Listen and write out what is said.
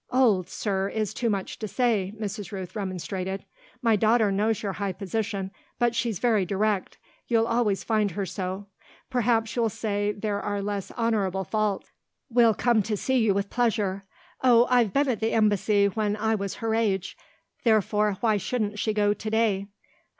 "'Old,' sir, is too much to say," Mrs. Rooth remonstrated. "My daughter knows your high position, but she's very direct. You'll always find her so. Perhaps you'll say there are less honourable faults. We'll come to see you with pleasure. Oh I've been at the embassy when I was her age. Therefore why shouldn't she go to day?